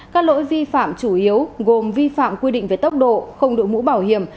các lỗi vi phạm chủ yếu gồm vi phạm quy định về tốc độ không đội mũ bảo hiểm